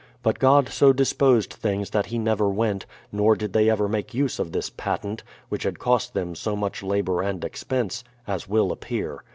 But God so disposed things that he never went, nor did they ever make use of this patent, which had cost them so much labour and expense, as will appear.